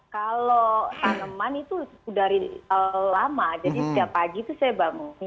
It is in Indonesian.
kalau tanaman itu dari lama jadi setiap pagi itu saya bangun